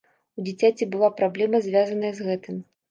У дзіцяці была праблема, звязаная з гэтым.